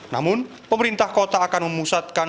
namun pemerintah kota akan memusatkan